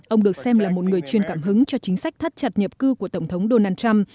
ông được xem là một người chuyên cảm hứng cho chính sách thắt chặt nhập cư của tổng thống donald trump